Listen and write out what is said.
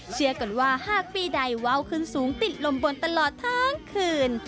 เชื่อกันว่าหากปีใดว้าวขึ้นสูงติดลมบนตลอดทั้งคืน